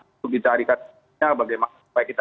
untuk ditarikannya bagaimana